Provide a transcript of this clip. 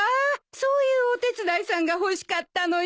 そういうお手伝いさんが欲しかったのよ！